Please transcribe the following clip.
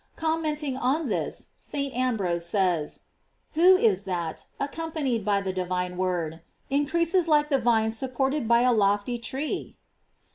Commenting on this, St. Ambrose says: Who is that, accompanied by the divine Word, increases like the vine supported by a lofty tree?